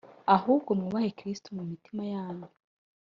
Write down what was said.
Ahubwo mwubahe Kristo mu mitima yanyu,